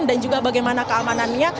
dan juga bagaimana keamanannya